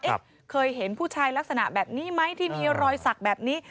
เคยเห็นผู้ชายลักษณะแบบนี้ไหมที่มีรอยสักแบบนี้